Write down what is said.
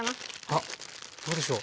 あっどうでしょう？